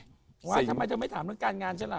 ทำไมเธอไม่ถามเรื่องการงานฉันล่ะ